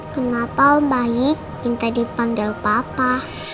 kenapa baik minta dipanggil papa